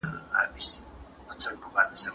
ماشومان د هرې ټولنې تر ټولو ستره پانګه ده.